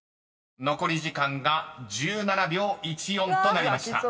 ［残り時間が１７秒１４となりました］